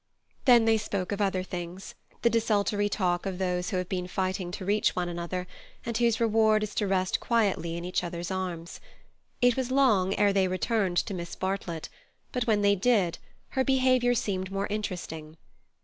Then they spoke of other things—the desultory talk of those who have been fighting to reach one another, and whose reward is to rest quietly in each other's arms. It was long ere they returned to Miss Bartlett, but when they did her behaviour seemed more interesting.